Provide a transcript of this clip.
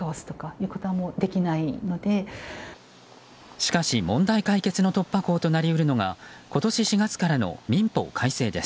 しかし問題解決の突破口となり得るのが今年４月からの民法改正です。